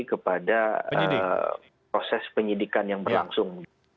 kepada proses penyidikan yang berlangsung